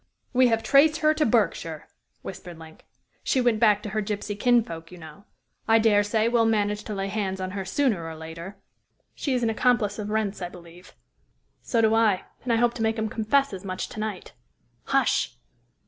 "We have traced her to Berkshire," whispered Link. "She went back to her gypsy kinsfolk, you know. I dare say we'll manage to lay hands on her sooner or later." "She is an accomplice of Wrent's, I believe." "So do I, and I hope to make him confess as much to night. Hush!"